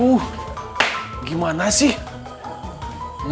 aduh gimana sih